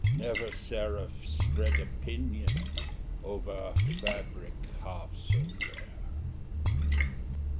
Never seraph spread a pinion Over fabric half so fair!